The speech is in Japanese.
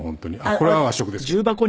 これは和食ですけどね。